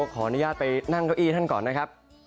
ขออนุญาตไปนั่งเก้าอี้ท่านก่อนนะครับ